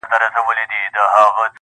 څوك به تاو كړي د بابا بګړۍ له سره!.